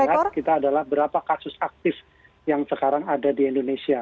kalau kita mau lihat kita adalah berapa kasus aktif yang sekarang ada di indonesia